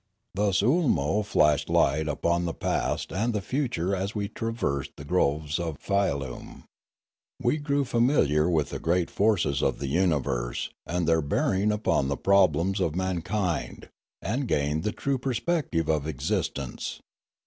Thus Oolmo flashed light upon the past and the future as we traversed the groves of Fialume. We grew familiar with the great forces of the universe, and their bearing upon the problems of mankind, and gained the true perspective of existence.